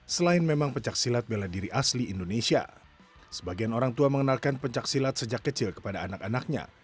selain memang pencaksilat bela diri asli indonesia sebagian orang tua mengenalkan pencaksilat sejak kecil kepada anak anaknya